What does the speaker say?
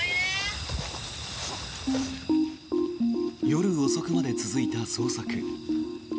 夜遅くまで続いた捜索。